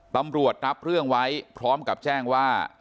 ตำรวจรับเรื่องไว้พร้อมกับแจ้งว่า